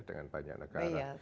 dengan banyak negara